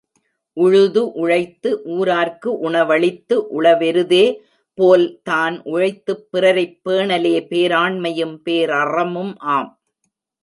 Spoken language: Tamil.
உழுது உழைத்து ஊரார்க்கு உணவளித்து உழவெருதே போல், தான் உழைத்துப் பிறரைப் பேணலே பேராண்மையும் பேரறமும் ஆம்.